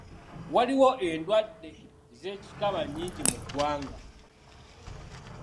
Waliwo endwadde z'ekikaba nnyingi mu ggwanga.